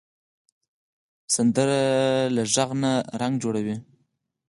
سندره له غږ نه رنګ جوړوي